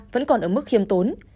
vẫn còn ở mức khiêm tốn